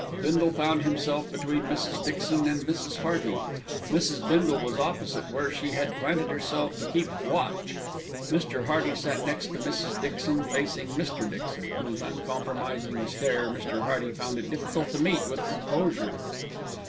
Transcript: Bindle found himself between Mrs. Dixon and Mrs. Hearty. Mrs. Bindle was opposite, where she had planted herself to keep watch. Mr. Hearty sat next to Mrs. Dixon, facing Mr. Dixon, whose uncompromising stare Mr. Hearty found it difficult to meet with composure.